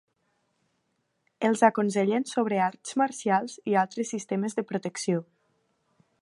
Els aconsellen sobre arts marcials i altres sistemes de protecció.